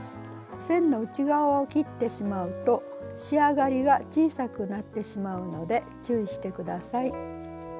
線の内側を切ってしまうと仕上がりが小さくなってしまうので注意して下さい。